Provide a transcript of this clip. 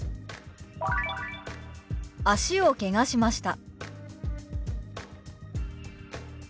「脚をけがしました」。